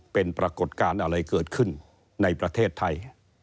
เป็นปรากฏการณ์อะไรเกิดขึ้นในประเทศไทย